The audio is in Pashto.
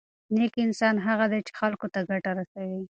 نېک انسان هغه دی چې خلکو ته ګټه رسوي.